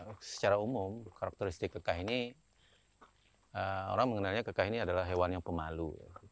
karena secara umum karakteristik kekah ini orang mengenalnya kekah ini adalah hewan yang pemalu